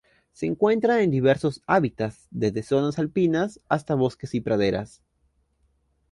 Se encuentran en diversos hábitats, desde zonas alpinas hasta bosques y praderas.